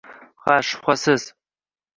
«Ha, shubhasiz